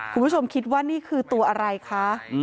คุณผู้ชมคิดว่านี่คือตัวอะไรคะ